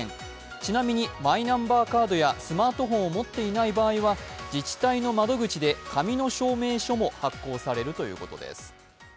ちなみにマイナンバーカードやスマートフォンを持っていない場合は、自治体の窓口で紙の証明書も発行されるということです。